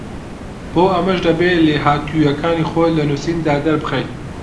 بۆ ئەمەش دەبێت لێهاتووییەکانی خۆت لە نووسیندا دەربخەیت